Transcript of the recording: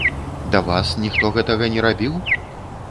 Да вас ніхто гэтага не рабіў?